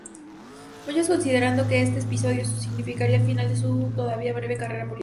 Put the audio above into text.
Muchos consideraron que este episodio significaría el final de su todavía breve carrera política.